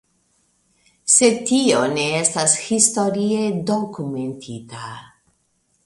Sed tio ne estas historie dokumentita.